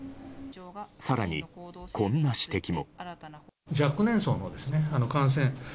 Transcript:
更に、こんな指摘も。